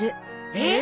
えっ？